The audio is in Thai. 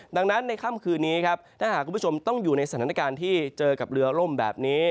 ดังนั้นในค่ำคืนนี้ครับถ้าหากคุณผู้ชมต้องอยู่ในสถานการณ์ที่เจอกับเรือล่มแบบนี้